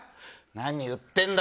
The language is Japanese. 何言ってんだ